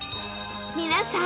皆さん！